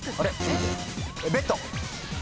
ベッド。